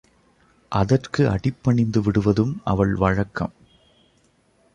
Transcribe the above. அதற்கு அடி பணிந்துவிடுவதும் அவள் வழக்கம்.